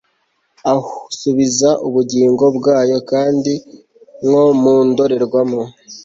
Ah subiza ubugingo bwayo kandi nko mu ndorerwamo